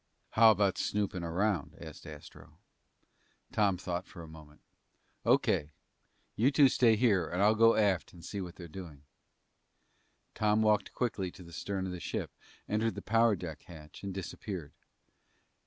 "How about snooping around?" asked Astro. Tom thought a moment. "O.K. You two stay here. I'll go aft and see what they're doing." Tom walked quickly to the stern of the ship, entered the power deck hatch, and disappeared.